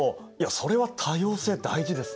それは多様性大事ですね。